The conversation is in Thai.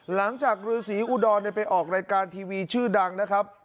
หลังจากฤษีอุดรไปออกรายการทีวีชื่อดังนะครับ